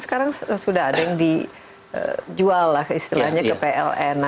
sekarang sudah ada yang dijual lah istilahnya ke pln